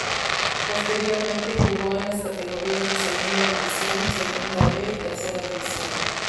Posteriormente jugó en las categorías de Segunda División, Segunda "B" y Tercera División.